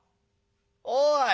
おい。